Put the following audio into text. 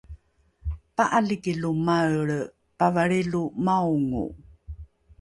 pa’aliki lo maelre pavalrilo maongo